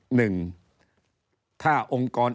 หนึ่งถ้าองค์กร